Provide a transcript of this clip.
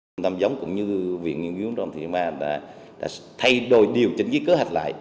trung tâm giống cũng như viện nguyên nghiên cứu trong thủy sản đã thay đổi điều chỉnh kế hoạch lại